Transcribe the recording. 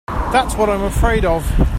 That's what I'm afraid of.